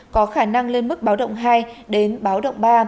có khả năng lên mức báo động hai đến báo động ba